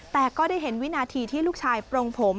แต่ก็ได้เห็นวินาทีที่ลูกชายปรงผม